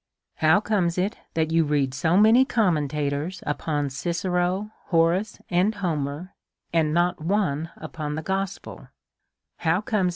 How comes it that you read so many commentators upon Cicero, Horace, and Homer, and not one upon the gospel